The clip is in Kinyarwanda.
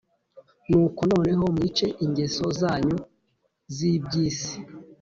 Nuko noneho mwice ingeso zanyu z’iby’isi